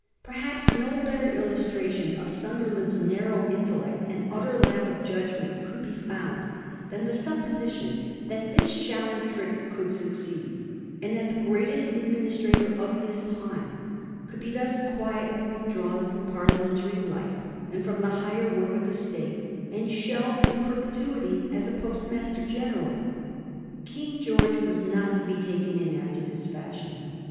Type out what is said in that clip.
Perhaps no better illustration of Sunderland's narrow intellect and utter lack of judg ment could be found than the supposition that this shallow trick could succeed, and that the greatest administrator of his time could be thus quietly with drawn from Parliamentary life and from the higher work of the State, and shelved in perpetuity as a Postmaster General. King George was not to be taken in after this fashion.